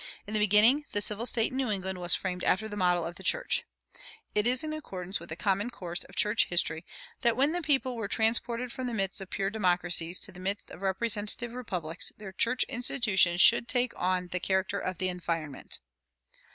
In the beginning the civil state in New England was framed after the model of the church.[138:1] It is in accordance with the common course of church history that when the people were transported from the midst of pure democracies to the midst of representative republics their church institutions should take on the character of the environment.